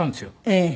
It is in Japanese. ええ。